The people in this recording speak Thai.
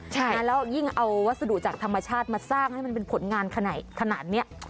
แล้วยิ่งเอาวัสดุจากธรรมชาติมาสร้างให้มันเป็นผลงานขนาดนี้